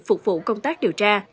phục vụ công tác điều tra